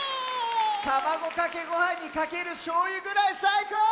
たまごかけごはんにかけるしょうゆぐらいさいこう！